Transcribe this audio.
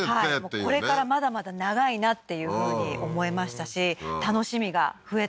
これからまだまだ長いなっていうふうに思えましたし楽しみが増えた